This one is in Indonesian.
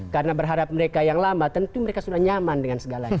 karena berhadap mereka yang lama tentu mereka sudah nyaman dengan segalanya